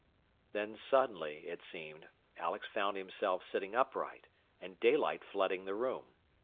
Then suddenly, it seemed, Alex found himself sitting upright, and daylight flooding the room.